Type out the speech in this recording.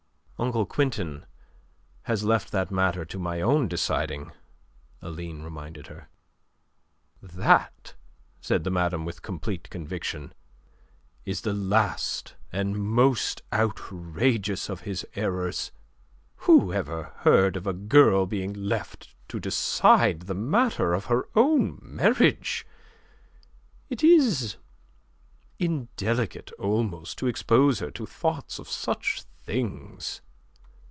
"Uncle Quintin has left that matter to my own deciding," Aline reminded her. "That," said madame with complete conviction, "is the last and most outrageous of his errors. Who ever heard of a girl being left to decide the matter of her own marriage? It is... indelicate almost to expose her to thoughts of such things."